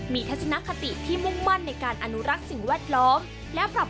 มีทัศนคติที่มุ่งมั่นในการอนุรักษ์สิ่งแวดล้อมและปรับ